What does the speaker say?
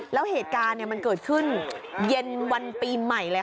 แล้วเหตุการณ์มันเกิดขึ้นเย็นวันปีใหม่เลย